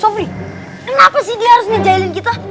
kenapa sih dia harus ngejahilin kita